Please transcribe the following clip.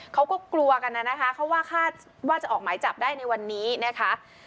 เขาก็กลัวกันนะนะคะเขาว่าคาดว่าจะออกหมายจับได้ในวันนี้นะคะ